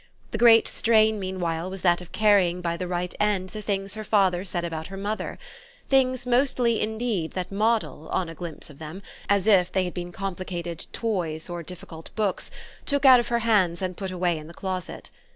The great strain meanwhile was that of carrying by the right end the things her father said about her mother things mostly indeed that Moddle, on a glimpse of them, as if they had been complicated toys or difficult books, took out of her hands and put away in the closet.